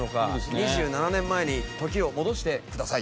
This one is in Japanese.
２７年前に時を戻してください。